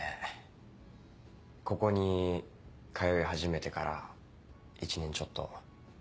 ここに通い始めてから１年ちょっと。